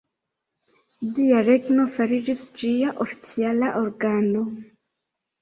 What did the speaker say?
Dia Regno fariĝis ĝia oficiala organo.